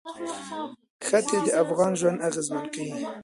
ښتې د افغانانو ژوند اغېزمن کوي.